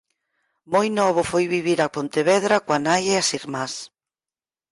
Moi novo foi vivir a Pontevedra coa nai e as irmás.